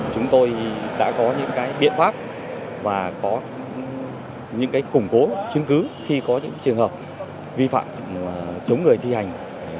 chúng tôi đã có những biện pháp và có những củng cố chứng cứ khi có những trường hợp vi phạm chống người thi hành